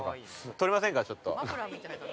撮りませんか、ちょっと。